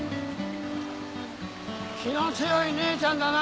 気の強い姉ちゃんだな。